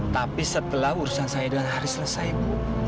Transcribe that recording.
tapi setelah urusan saya dengan haris selesai bu